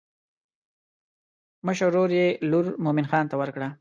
مشر ورور یې لور مومن خان ته ورکړه.